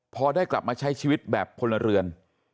พอได้กลับมาใช้ชีวิตแบบพลเรือน